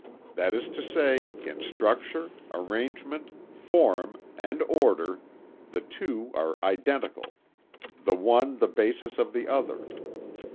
That is to say in structure, arrangement, form and order the two are identical, the one the basis of the other.